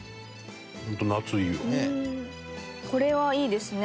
これはいいですね。